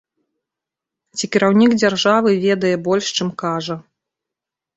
Ці кіраўнік дзяржавы ведае больш, чым кажа.